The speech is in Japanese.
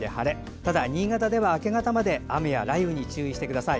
ただ、新潟では明け方まで雨や雷雨に注意してください。